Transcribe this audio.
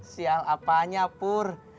sial apanya pur